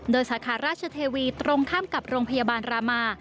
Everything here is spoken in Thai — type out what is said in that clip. โดยสาขาราชเทวีตรงข้ามกับโรงพยาบาลรามา